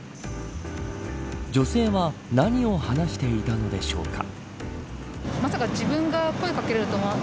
女性は何を話していたのでしょうか。